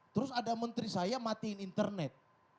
terus ada menteri saya matiin internet